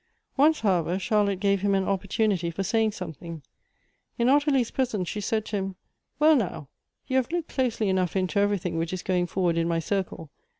Once, however, Charlotte gave him an opportunity for saying something. In Ottilie's presence she said to him, " Well now, you have looked closely enough into every 224 Goethe's thing which is going forward in my circle.